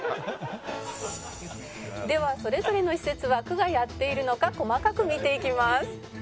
「ではそれぞれの施設は区がやっているのか細かく見ていきます」